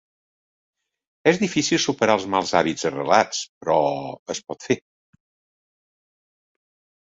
És difícil superar els mals hàbits arrelats, però es pot fer.